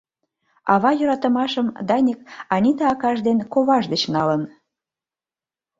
Ава йӧратымашым Даник Анита акаж ден коваж дечын налын.